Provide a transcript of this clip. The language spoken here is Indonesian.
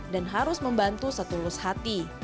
dan harus membantu setulus hati